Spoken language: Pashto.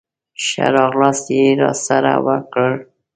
ښه راغلاست یې راسره وکړل.